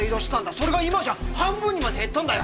それが今じゃ半分にまで減ったんだよ！